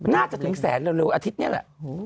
น่าจะถึงแสนเร็วอาทิตย์นี้แหละ